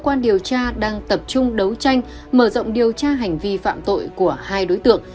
cơ quan điều tra công an tỉnh khánh hòa đang tập trung đấu tranh mở rộng điều tra hành vi phạm tội của hai đối tượng